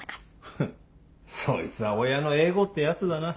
フフそいつは親のエゴってやつだな。